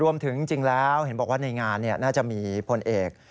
จริงแล้วเห็นบอกว่าในงานน่าจะมีพลเอก